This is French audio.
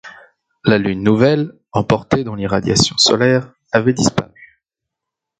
La lune nouvelle, emportée dans l’irradiation solaire, avait disparu